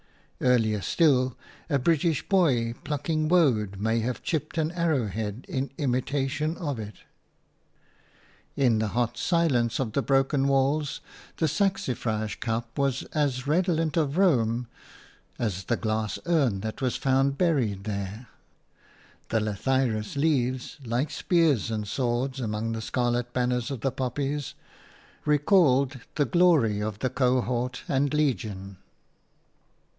Earlier still, a British boy plucking woad may have chipped an arrow head in imitation of it. In the hot silence of the broken walls the saxifrage cup was as redolent of Rome as the glass urn that was found buried there; the lathyrus leaves, like spears and swords among the scarlet banners of the poppies, recalled the glory of cohort and legion.